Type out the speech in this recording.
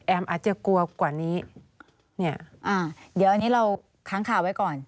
อาจจะกลัวกว่านี้เนี่ยอ่าเดี๋ยวอันนี้เราค้างข่าวไว้ก่อน